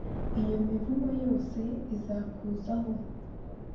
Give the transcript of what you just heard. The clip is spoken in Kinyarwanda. iyo mivumo yose izakuzaho,